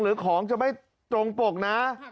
หรือของจะไม่ตรงปกนะ